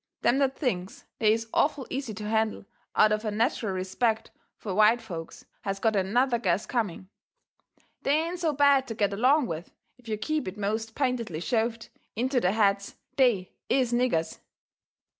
Them that thinks they is awful easy to handle out of a natcheral respect fur white folks has got another guess coming. They ain't so bad to get along with if you keep it most pintedly shoved into their heads they IS niggers.